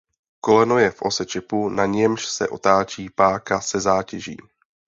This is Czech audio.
Koleno je v ose čepu na němž se otáčí páka se zátěží.